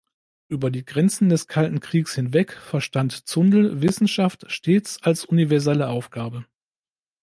Über die Grenzen des Kalten Kriegs hinweg verstand Zundel Wissenschaft stets als universelle Aufgabe.